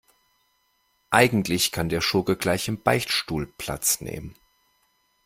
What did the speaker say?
Eigentlich kann der Schurke gleich im Beichtstuhl Platz nehmen.